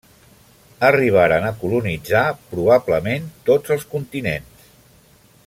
Arribaren a colonitzar, probablement, tots els continents.